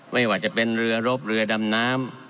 ไม่ว่าจะเป็นเรือรบเรือดำน้ำ